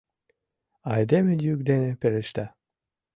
Айдеме йӱк ден пелешта: